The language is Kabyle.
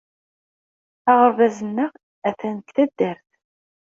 Aɣerbaz-nneɣ atan deg taddart-a.